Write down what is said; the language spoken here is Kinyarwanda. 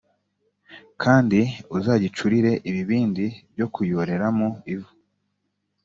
kandi uzagicurire ibibindi byo kuyoreramo ivu